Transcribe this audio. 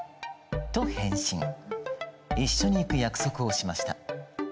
一緒に行く約束をしました。